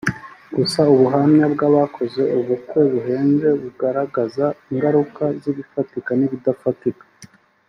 gusa ubuhamya bw’abakoze ubukwe buhenze bugaragaza ingaruka z’ibifatika n’ibidafatika